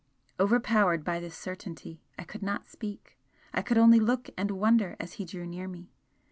Overpowered by this certainty, I could not speak I could only look and wonder as he drew near me.